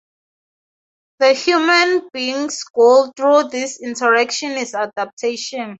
The human being's goal through this interaction is adaptation.